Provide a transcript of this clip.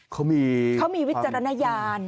เขามีวิจารณญาณ